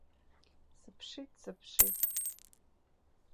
Сыԥшит, сыԥшит.